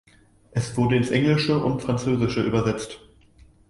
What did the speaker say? Es wurde ins Englische und Französische übersetzt.